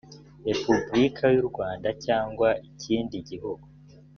repubulika y’u rwanda cyangwa ikindi gihugu